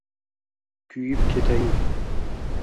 Kuyib ketayin!»